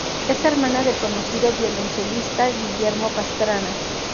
Es hermana del conocido violonchelista Guillermo Pastrana.